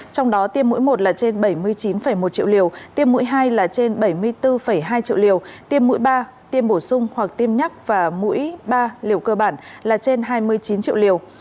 trong đó tiêm mỗi một là trên bảy mươi chín một triệu liều tiêm mũi hai là trên bảy mươi bốn hai triệu liều tiêm mũi ba tiêm bổ sung hoặc tiêm nhắc và mũi ba liều cơ bản là trên hai mươi chín triệu liều